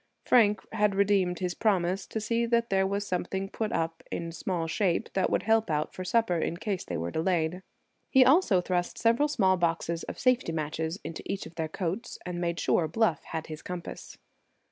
Frank had redeemed his promise to see that there was something put up in small shape that would help out for supper, in case they were delayed. He also thrust several small boxes of safety matches into each of their coats, and made sure Bluff had his compass.